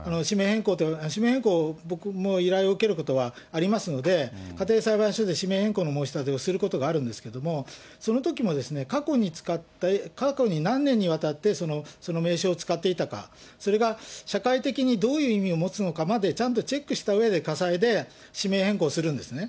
氏名変更、僕も依頼を受けることはありますので、家庭裁判所で氏名変更の申し立てをすることもあるんですけれども、そのときも過去の使って、過去に何年にわたって名称を使っていたか、それが社会的にどういう意味を持つのかまでちゃんとチェックしたうえで家裁で氏名変更するんですね。